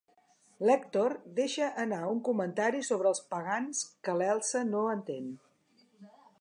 L'Èctor deixa anar un comentari sobre el Pagans que l'Elsa no entén.